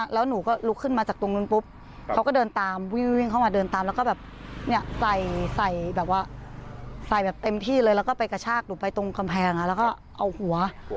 แล้วก็ไปกระชากหนูไปตรงกำแพงแล้วก็เอาหัว